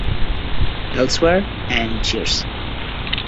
Elsewhere" and "Cheers".